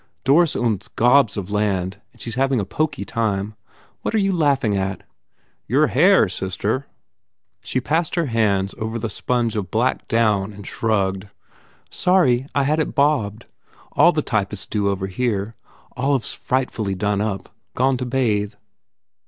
Doris owns gobs of land and she s having a poky time. What arc you laughing at?" "Your hair, sister." She passed her hands over the sponge of black 187 THE FAIR REWARDS down and shrugged, "Sorry I had it bobbed. All the typists do, over here. Olive s frightfully done up. Gone to bathe.